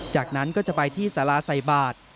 จากนั้นก็จะไปที่สาราใส่บาท